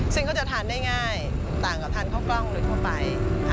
ซึ่งเขาจะทานได้ง่ายต่างกับทานข้าวกล้องโดยทั่วไป